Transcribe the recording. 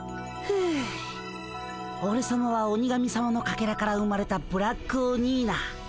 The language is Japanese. ふうおれさまは鬼神さまのかけらから生まれたブラックオニーナ。